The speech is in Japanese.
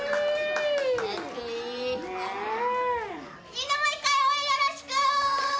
みんなもう１回応援よろしく！